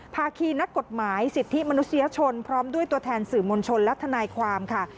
ภาคีนักกฎหมายสิทธิมนุษยชนพร้อมด้วยตัวแทนสื่อมวลชนและทนายความค่ะ